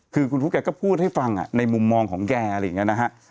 คือคุณฟุ๊กแกก็พูดให้ฟังในมุมมองของแกอะไรอย่างนี้นะฮะ